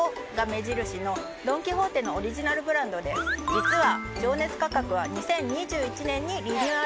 実は。